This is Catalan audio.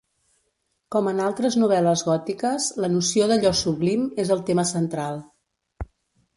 Com en altres novel·les gòtiques, la noció d'allò sublim és el tema central.